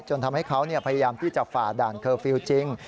จนทำให้เขาพยายามที่จะฝ่าด่านเคอร์ฟิลล์จริง